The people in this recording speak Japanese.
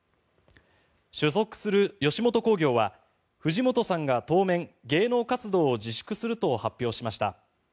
所属する吉本興業は藤本さんが当面、芸能活動を自粛すると発表しました。